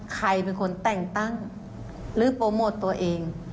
ใครเป็นคนแต่งตั้งหรือโปรโมทตัวเอง